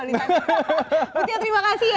mutia terima kasih ya